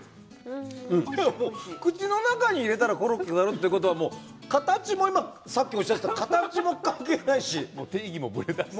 口の中に入れたらコロッケになるということは形も今、さっきおっしゃっていた形も関係ないし。